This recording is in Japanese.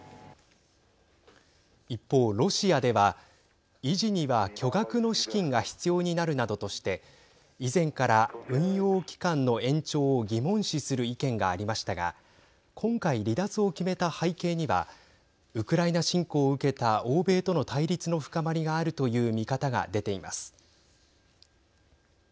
一方、ロシアでは維持には巨額の資金が必要になるなどとして以前から、運用期間の延長を疑問視する意見がありましたが今回、離脱を決めた背景にはウクライナ侵攻を受けた欧米との対立の深まりがあるという見方が出ています。